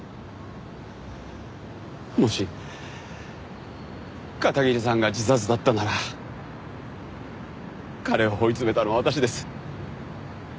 もし片桐さんが自殺だったなら彼を追い詰めたのは私です。